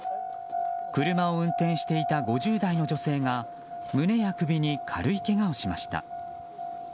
車を運転していた５０代の女性が胸や首に軽いけがをしました。